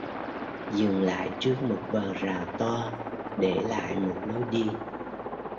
Dừng lại trước một bờ rào to để lại một lối đi